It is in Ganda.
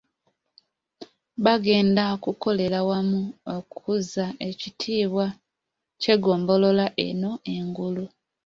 Bagenda kukolera wamu okuzza ekitiibwa ky'eggombolola eno engulu.